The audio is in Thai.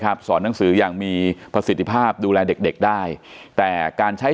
สอนหนังสืออย่างมีประสิทธิภาพดูแลเด็กเด็กได้แต่การใช้